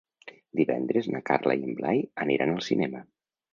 Divendres na Carla i en Blai aniran al cinema.